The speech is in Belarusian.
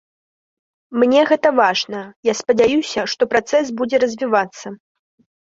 Мне гэта важна, я спадзяюся, што працэс будзе развівацца.